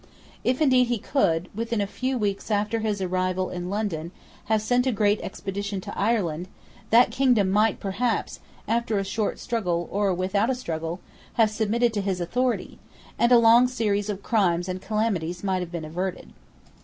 If indeed he could, within a few weeks after his arrival in London, have sent a great expedition to Ireland, that kingdom might perhaps, after a short struggle, or without a struggle, have submitted to his authority; and a long series of crimes and calamities might have been averted.